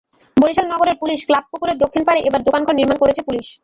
বরিশাল নগরের police club পুকুরের দক্ষিণ পাড়ে এবার দোকানঘর নির্মাণ করছে পুলিশ।